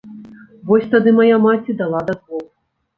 Вось тады мая маці дала дазвол.